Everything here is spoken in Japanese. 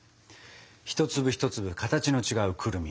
一粒一粒形の違うくるみ。